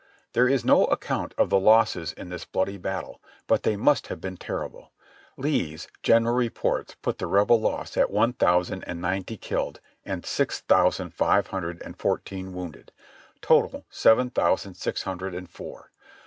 There is no account of the losses in this bloody battle, but they must have been terrible. Lee's general reports put the Rebel loss at one thousand and ninety killed and six thousand five hun dred and fourteen wounded; total, seven thousand six hundred and four.